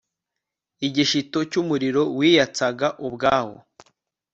igishyito cy'umuriro wiyatsaga ubwawo